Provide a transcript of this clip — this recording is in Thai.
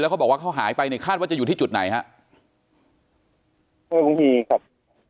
แล้วเขาบอกว่าเขาหายไปในคาดว่าจะอยู่ที่จุดไหนฮะห้วยวังฮีครับ